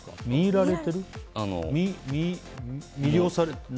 魅了されてる？